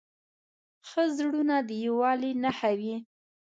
ښه زړونه د یووالي نښه وي.